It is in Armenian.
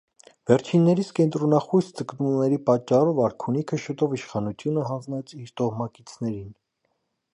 Վերջիններիս կենտրոնախույս ձգտումների պատճառով արքունիքը շուտով իշխանությունը հանձնեց իր տոհմակիցներին։